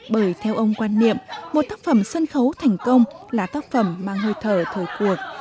bởi theo ông quan niệm một tác phẩm sân khấu thành công là tác phẩm mang hơi thở thời cuộc